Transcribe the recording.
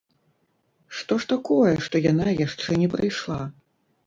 Што ж такое, што яна яшчэ не прыйшла?